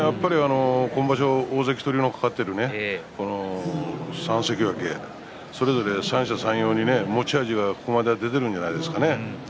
大関取りのかかっている３関脇、三者三様に持ち味が、ここまで出ているんじゃないですか。